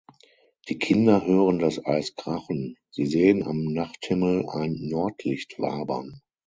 Die Kinder hören das Eis krachen; sie sehen am Nachthimmel ein Nordlicht wabern.